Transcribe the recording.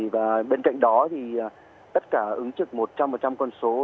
và bên cạnh đó thì tất cả ứng trực một trăm linh con số